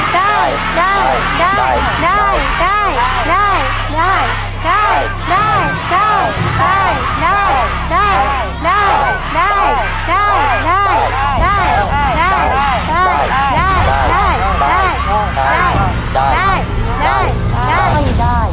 ได้